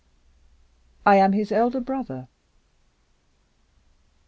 "I am his elder brother."